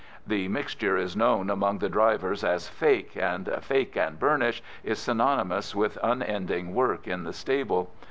The mixture is known among the drivers as "fake," and "fake and burnish" is synonymous with unending work in the stables.